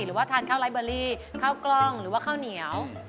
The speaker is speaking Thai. หรือว่าทานข้าวไลฟ์เบอรี่ข้าวกล้องหรือว่าข้าวเหนียว